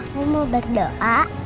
aku mau berdoa